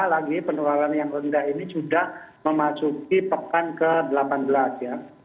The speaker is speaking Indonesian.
apalagi penularan yang rendah ini sudah memasuki pekan ke delapan belas ya